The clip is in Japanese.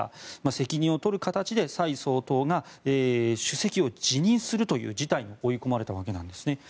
責任を取る形で蔡総統が主席を辞任する事態に追い込まれたわけなんですね。